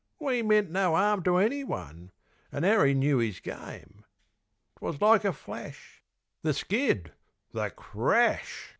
We meant no 'arm to anyone, An' 'Arry knew 'is game. 'Twas like a flash, the skid the crash.